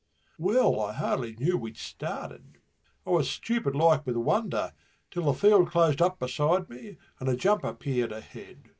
Well, I scarcely knew we'd started, I was stupid like with wonder Till the field closed up beside me and a jump appeared ahead.